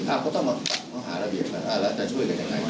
อ้าวพวกเขาต้องมาหาระเบียบก่อนแล้วจะช่วยกันอย่างไร